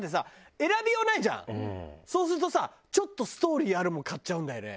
そうするとさちょっとストーリーあるもの買っちゃうんだよね。